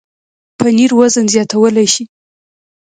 پنېر وزن زیاتولی شي.